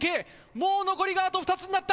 もう残りがあと２つになった。